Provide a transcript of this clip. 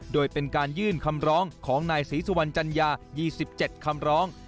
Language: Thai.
โดยเป็นการยื่นคำร้องของนายศรีสุวรรณจัญญา๒๗คำร้อง